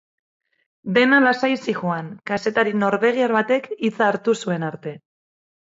Dena lasai zihoan, kazetari norbegiar batek hitza hartu zuen arte.